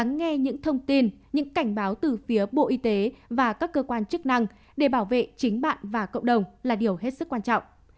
lắng nghe những thông tin những cảnh báo từ phía bộ y tế và các cơ quan chức năng để bảo vệ chính bạn và cộng đồng là điều hết sức quan trọng